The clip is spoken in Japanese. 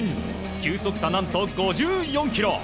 球速差、何と５４キロ。